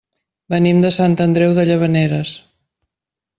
Venim de Sant Andreu de Llavaneres.